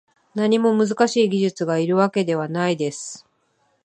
何も難しい技術がいるわけではないです